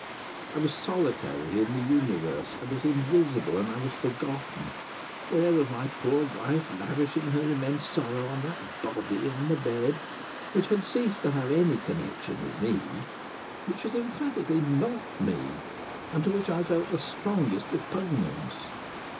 I was solitary in the universe. I was invisible, and I was forgotten. There was my poor wife lavishing her immense sorrow on that body on the bed, which had ceased to have any connection with me, which was emphatically not me, and to which I felt the strongest repugnance.